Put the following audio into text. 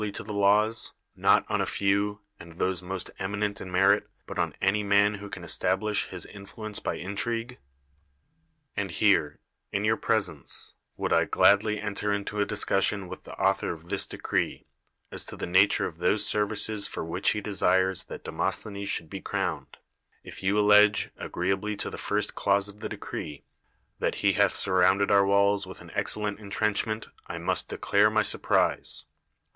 y 1o the laws, not on a few, and those most eminent hi merit, but on any man who can establisb his influence by intriL'uc'' And here, in your presence, would 1 i:ladl\" r THE WORLD'S FAMOUS ORATIONS enter into a discussion with the author of this decree, as to the nature of those services for which he desires that Demosthenes should be crowned. If you allege, agreeably to the first clause of the decree, that he hath surrounded our walls with an excellent intrenchment, I must declare my surprise.